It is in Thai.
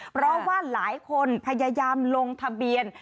เพราะว่าหลายคนพยายามลงทะเบียน